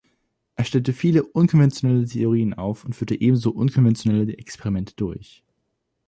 Er stellte viele unkonventionelle Theorien auf und führte ebenso unkonventionelle Experimente durch.